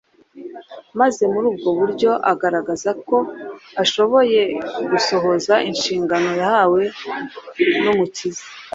maze muri ubwo buryo agaragaza ko ashoboye gusohoza inshingano yahawe n’umukiza.